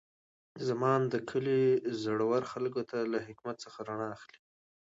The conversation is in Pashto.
زما اند د کلي د زړو خلکو له حکمت څخه رڼا اخلي.